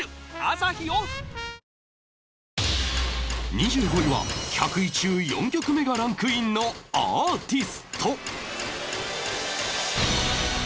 ２５位は１００位中４曲目がランクインのアーティスト